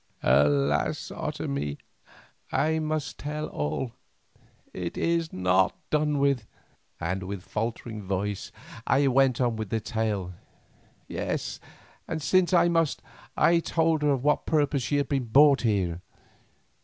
"Alas! Otomie, I must tell all—it is not done with," and with faltering voice I went on with the tale, yes, and since I must, I told her for what purpose she had been brought here.